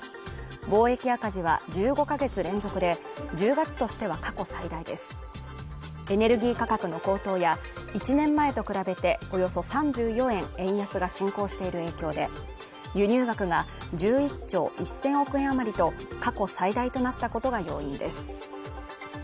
貿易赤字は１５か月連続で１０月としては過去最大ですエネルギー価格の高騰や１年前と比べておよそ３４円円安が進行している影響で輸入額が１１兆１０００億円余りと過去最大となったことが要因です